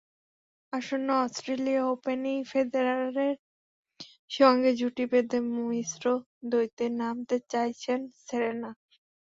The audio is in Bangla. আসন্ন অস্ট্রেলিয়া ওপেনেই ফেদেরারের সঙ্গে জুটি বেঁধে মিশ্র দ্বৈতে নামতে চাইছেন সেরেনা।